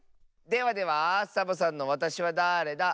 ではではサボさんの「わたしはだれだ？」。